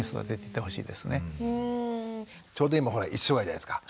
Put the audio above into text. ちょうど今一緒ぐらいじゃないですか。